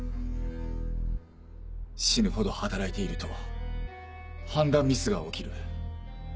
死ぬほど働いていると判断ミスが起きる。